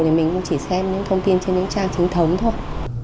thì mình cũng chỉ xem những thông tin trên những trang chính thống thôi